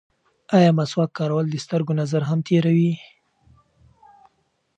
ایا مسواک کارول د سترګو نظر هم تېروي؟